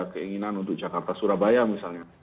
keinginan untuk jakarta surabaya misalnya